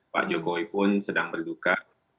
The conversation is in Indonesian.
pak jokowi pun sedang berduka